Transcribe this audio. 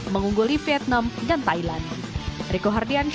mengungguli vietnam dan thailand